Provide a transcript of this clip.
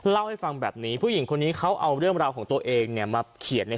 เล่าให้ฟังแบบนี้ผู้หญิงคนนี้เขาเอาเรื่องราวของตัวเองเนี่ยมาเขียนใน